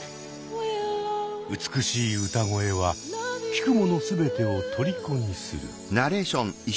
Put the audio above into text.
美しい歌声は聴くもの全てを虜にする。